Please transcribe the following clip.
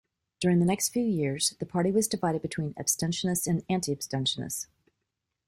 During the next few years, the party was divided between abstentionists and anti-abstentionists.